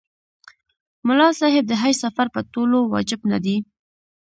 ملا صاحب د حج سفر په ټولو واجب نه دی.